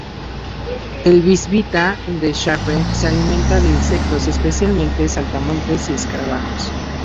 El bisbita de Sharpe se alimenta de insectos, especialmente saltamontes y escarabajos.